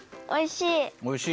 おいしい！